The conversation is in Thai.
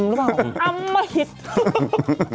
อำไม่หิด